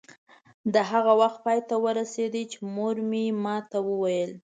دا هغه وخت پای ته ورسېده چې مور مې ما ته وویل.